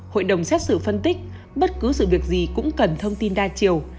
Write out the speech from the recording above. hội đồng xét xử phân tích bất cứ sự việc gì cũng cần thông tin đa chiều